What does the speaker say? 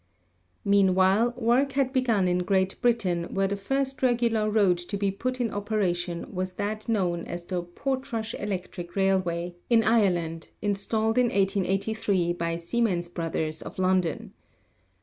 Meanwhile work had begun in Great Britain, where the first regular road to be put in operation was that known as the Portrush Electric Railway, in Ireland, installed in 1883 by Siemens Brothers, of London.